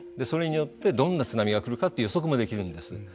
それによってどんな津波が来るか予測もできるんです。